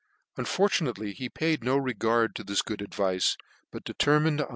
Unfortunately he paid no re gard to this good advice; but determined on* the VOL.